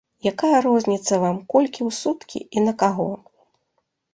Якая розніца вам, колькі ў суткі і на каго?